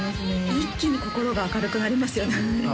一気に心が明るくなりますよねああ